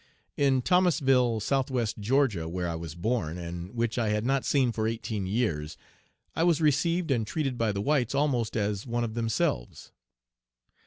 In Thomasville, Southwest, Ga., where I was born, and which I had not seen for eighteen years, I was received and treated by the whites almost as one of themselves.